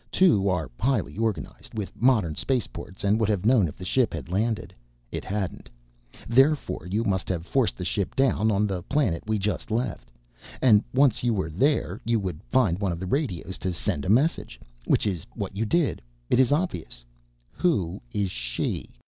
Two are highly organized with modern spaceports and would have known if the ship had landed. It hadn't. Therefore you must have forced the ship down on the planet we just left. And once you were there you would find one of the radios to send a message. Which is what you did. It is obvious. Who is she?"